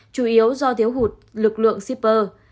chủ yếu do thiếu hụt lực lượng shipper